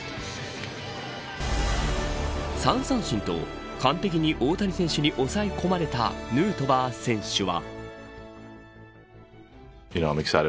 ３三振と完璧に大谷選手に抑え込まれたヌートバー選手は。